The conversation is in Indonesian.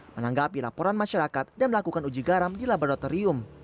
menanggapi laporan masyarakat dan melakukan uji garam di laboratorium